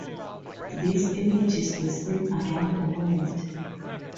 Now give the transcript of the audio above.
These images were seen around the world.